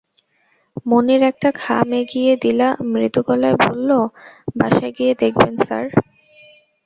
মুনির একটা খাম এগিয়ে দিলা মৃদু গলায় বলল, বাসায় গিয়ে দেখবেন স্যার।